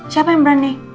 siapa yang berani